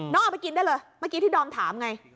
เอาไปกินได้เลยเมื่อกี้ที่ดอมถามไง